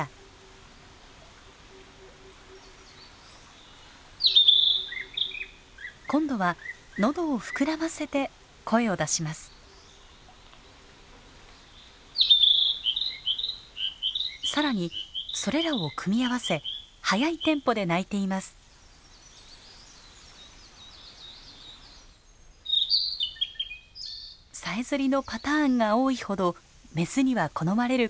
さえずりのパターンが多いほどメスには好まれることが知られています。